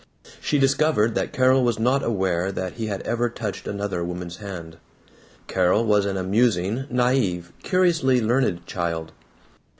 She discovered that Carol was not aware that he had ever touched another woman's hand. Carol was an amusing, naive, curiously learned child.